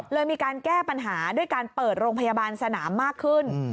มีการแก้ปัญหาด้วยการเปิดโรงพยาบาลสนามมากขึ้น